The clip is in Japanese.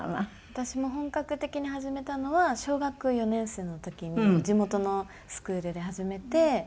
私も本格的に始めたのは小学４年生の時に地元のスクールで始めてって感じですね。